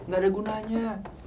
gak ada gunanya